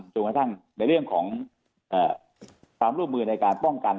จนกระทั่งในเรื่องของความร่วมมือในการป้องกัน